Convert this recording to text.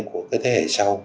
của cái thế hệ sau